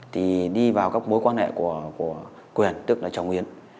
thì đi vào các mối quan hệ của quyền tức là chồng yến